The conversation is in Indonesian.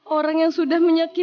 orang yang sudah berakhir